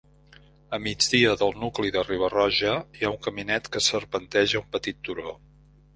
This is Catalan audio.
A migdia del nucli de Riba-Roja hi ha un caminet que serpenteja un petit turó.